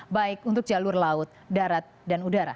baik untuk jalur laut darat dan udara